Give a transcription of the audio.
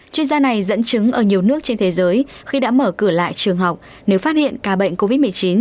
chuyên gia này dẫn chứng ở nhiều nước trên thế giới khi đã mở cửa lại trường học nếu phát hiện ca bệnh covid một mươi chín